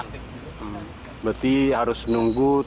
berarti harus menunggu tujuh tiga puluh